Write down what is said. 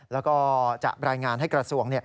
แล้วก็จะรายงานให้กระทรวง